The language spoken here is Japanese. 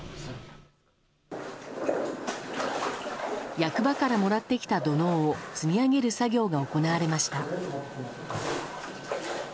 役場からもらってきた土のうを積み上げる作業が行われました。